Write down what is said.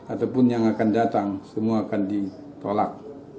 ataupun yang akan datang semua akan ditolak